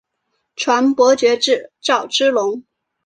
传伯爵至赵之龙。